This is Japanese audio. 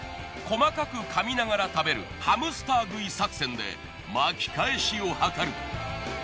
細かく噛みながら食べるハムスター食い作戦で巻き返しをはかる。